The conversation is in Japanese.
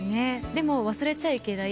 でも忘れちゃいけない